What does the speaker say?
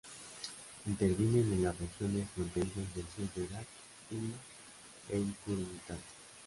Intervienen en las regiones fronterizas del sur de Irak y en Kurdistán.